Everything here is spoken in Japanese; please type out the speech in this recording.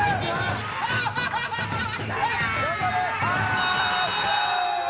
頑張れ。